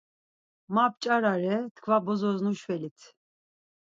“Ma p̌ç̌arare, tkva bozos nuşvelit!”